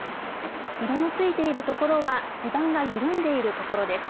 色のついている所は地盤が緩んでいる所です。